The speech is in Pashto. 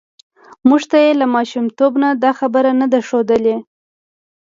موږ ته یې له ماشومتوب نه دا خبره نه ده ښودلې